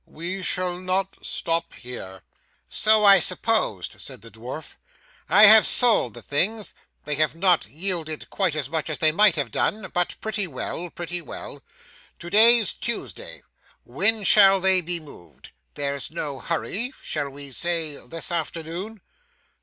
'We shall not stop here.' 'So I supposed,' said the dwarf. 'I have sold the things. They have not yielded quite as much as they might have done, but pretty well pretty well. To day's Tuesday. When shall they be moved? There's no hurry shall we say this afternoon?